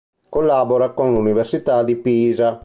Collabora con l'Università di Pisa.